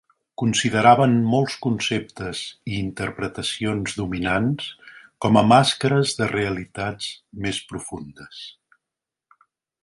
Consideraven molts conceptes i interpretacions dominants com a màscares de realitats més profundes.